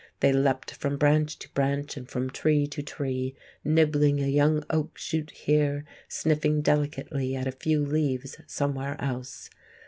They leapt from branch to branch, and from tree to tree, nibbling a young oak shoot here, sniffing delicately at a few leaves somewhere else.